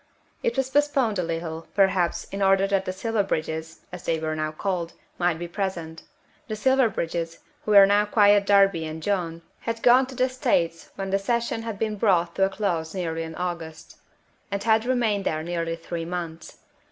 It was postponed a little, perhaps, in order that the Silverbridges, as they were now called, might be present. The Silverbridges, who were now quite Darby and Joan, had gone to the States when the Session had been brought to a close early in August, and had remained there nearly three months.